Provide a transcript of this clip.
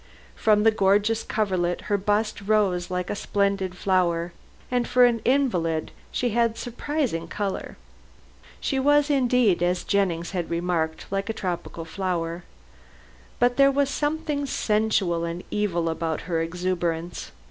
From the gorgeous coverlet her bust rose like a splendid flower, and for an invalid she had a surprising color. She was indeed, as Jennings had remarked, like a tropical flower. But there was something sensual and evil about her exuberance.